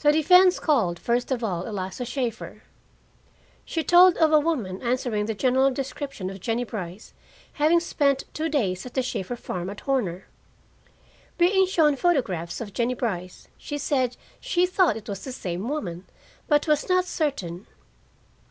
The defense called, first of all, Eliza Shaeffer. She told of a woman answering the general description of Jennie Brice having spent two days at the Shaeffer farm at Horner. Being shown photographs of Jennie Brice, she said she thought it was the same woman, but was not certain.